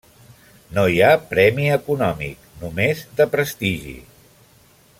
No hi ha premi econòmic, només de prestigi.